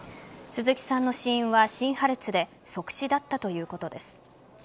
鈴木さんの死因は心破裂で即死だったということです。